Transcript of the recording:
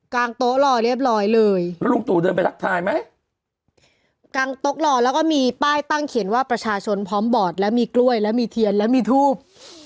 งโต๊ะรอเรียบร้อยเลยแล้วลุงตู่เดินไปทักทายไหมกลางโต๊ะรอแล้วก็มีป้ายตั้งเขียนว่าประชาชนพร้อมบอดและมีกล้วยและมีเทียนและมีทูบ